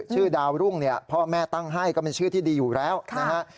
ชื่อดาวรุ่งเนี่ยพ่อแม่ตั้งให้ก็เป็นชื่อที่ดีอยู่แล้วนะฮะ